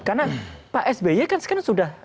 karena pak sby kan sekarang sudah